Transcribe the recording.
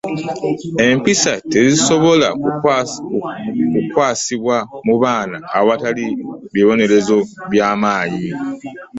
Empisa tezisobola kukwasibwa mu baana awatali bibonerezo bya maanyi.